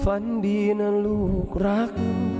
ฝันดีนะลูกรัก